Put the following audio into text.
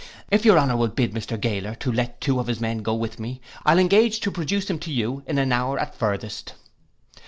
If your honour will bid Mr Gaoler let two of his men go with me, I'll engage to produce him to you in an hour at farthest.